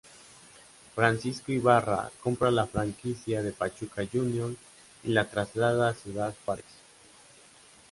Francisco Ibarra, compra la franquicia de Pachuca Juniors y la traslada a Ciudad Juárez.